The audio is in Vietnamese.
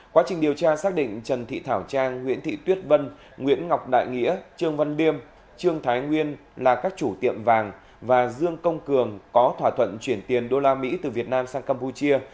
quá trình điều tra xác định trần thị thảo trang nguyễn thị tuyết vân nguyễn ngọc đại nghĩa trương văn điêm trương thái nguyên là các chủ tiệm vàng và dương công cường có thỏa thuận chuyển tiền đô la mỹ từ việt nam sang campuchia